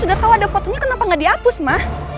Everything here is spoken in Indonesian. udah tahu ada fotonya kenapa nggak dihapus ma